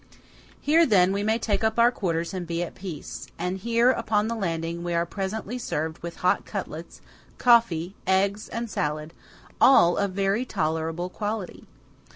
Here, then, we may take up our quarters and be at peace; and here, upon the landing, we are presently served with hot cutlets, coffee, eggs, and salad, all of very tolerable quality.